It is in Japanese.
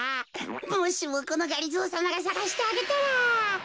もしもこのがりぞーさまがさがしてあげたら。